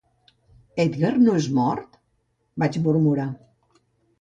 "Edgar no és mort?" vaig murmurar.